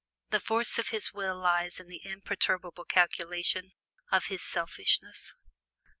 The force of his will lies in the imperturbable calculation of his selfishness.